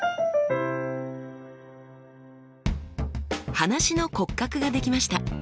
話の骨格ができました。